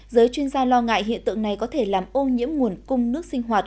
giới chuyên gia lo ngại hiện tượng này có thể làm ô nhiễm nguồn cung nước sinh hoạt